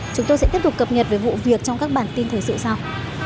chúng tôi sẽ tiếp tục cập nhật về vụ việc trong các bản tin thời sự sau